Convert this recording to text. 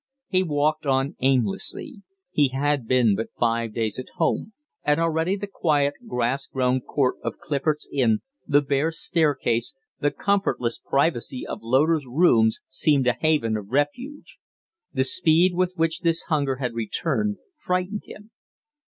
He walked on aimlessly. He had been but five days at home, and already the quiet, grass grown court of Clifford's Inn, the bare staircase, the comfortless privacy of Loder's rooms seemed a haven of refuge. The speed with which this hunger had returned frightened him.